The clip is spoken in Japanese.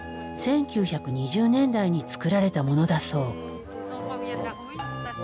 １９２０年代に作られたものだそう。